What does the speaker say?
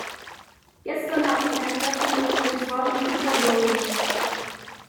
Gestern hatte ich ein Treffen mit Kommissarin Fischer Boel.